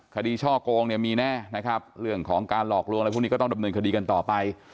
ช่อกงเนี่ยมีแน่นะครับเรื่องของการหลอกลวงอะไรพวกนี้ก็ต้องดำเนินคดีกันต่อไป